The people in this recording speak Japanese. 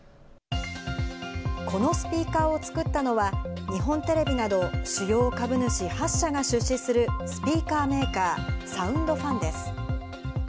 このスピーカーを作ったのは、日本テレビなど主要株主８社が出資するスピーカーメーカー、サウンドファンです。